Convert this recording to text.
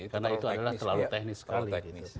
karena itu adalah terlalu teknis sekali